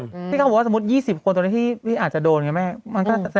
มีบทที่เขาบอกว่าถ้าสมมุติ๒๐คนตรงนี้ที่อาจจะโดนไงไหม